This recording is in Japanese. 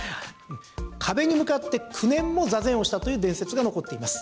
壁に向かって９年も座禅をしたという伝説が残っています。